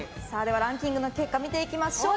ランキング結果見ていきましょう。